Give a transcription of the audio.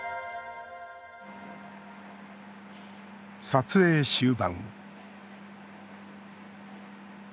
撮影終盤。